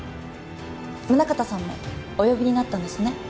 宗形さんもお呼びになったんですね。